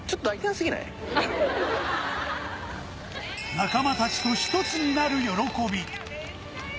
仲間たちと一つになる喜び。